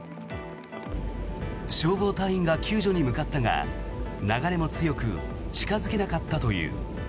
消防隊員が救助に向かったが流れが強く近付けなかったという。